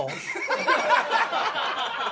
ハハハハ！